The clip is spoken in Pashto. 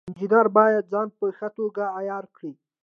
انجینر باید ځان په ښه توګه عیار کړي.